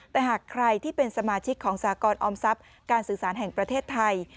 แต่หากใครที่เป็นสมาชิกของสากรออมทรัพย์การสื่อสารแห่งประเทศไทย